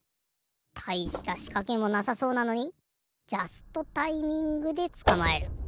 たいしたしかけもなさそうなのにジャストタイミングでつかまえる。